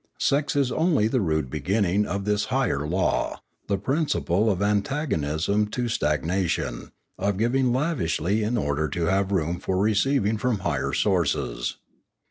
Sex is only the rude beginning of this higher law, the principle of antagonism to stag nation, of giving lavishly in order to have room for Pioneering 447 receiving from higher sources.